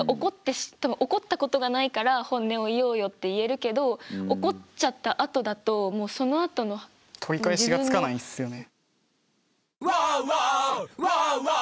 多分起こったことがないから本音を言おうよって言えるけど起こっちゃったあとだともうそのあとの。取り返しがつかないんすよね。